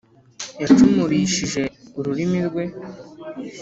yacumurishije ururimi rwe.